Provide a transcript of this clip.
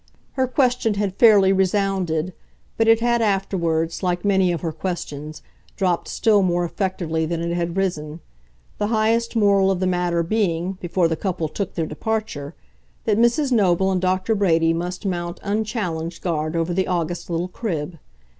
Her question had fairly resounded, but it had afterwards, like many of her questions, dropped still more effectively than it had risen: the highest moral of the matter being, before the couple took their departure, that Mrs. Noble and Dr. Brady must mount unchallenged guard over the august little crib.